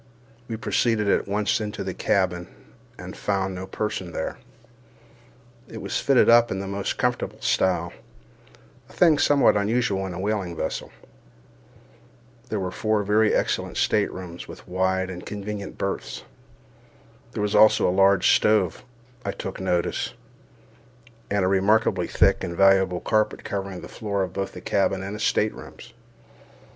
We proceeded at once into the cabin, and found no person there. It was fitted up in the most comfortable style—a thing somewhat unusual in a whaling vessel. There were four very excellent staterooms, with wide and convenient berths. There was also a large stove, I took notice, and a remarkably thick and valuable carpet covering the floor of both the cabin and staterooms.